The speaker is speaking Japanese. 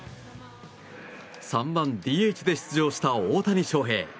３番ＤＨで出場した大谷翔平。